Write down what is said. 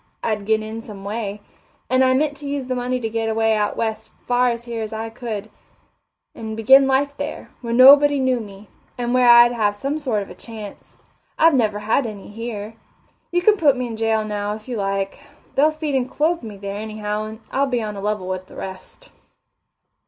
I'd get in some way and I meant to use the money to get away out west as far from here as I could, and begin life there, where nobody knew me, and where I'd have some sort of a chance. I've never had any here. You can put me in jail now, if you like they'll feed and clothe me there, anyhow, and I'll be on a level with the rest."